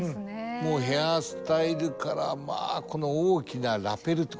もうヘアースタイルからこの大きなラペルと襟ね。